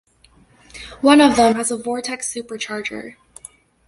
One of them has a Vortech supercharger.